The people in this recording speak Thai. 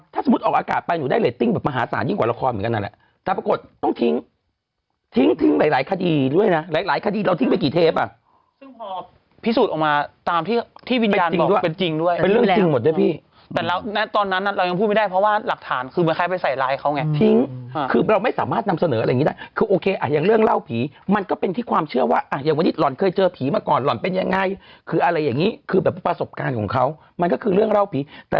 แต่เราตอนนั้นน่ะเรายังพูดไม่ได้เพราะว่าหลักฐานคือเมื่อใครไปใส่ไลน์ให้เขาไงทิ้งคือเราไม่สามารถนำเสนออะไรอย่างงี้ได้คือโอเคอ่ะอย่างเรื่องเล่าผีมันก็เป็นที่ความเชื่อว่าอ่ะอย่างวันนี้หล่อนเคยเจอผีมาก่อนหล่อนเป็นยังไงคืออะไรอย่างงี้คือแบบประสบการณ์ของเขามันก็คือเรื่องเล่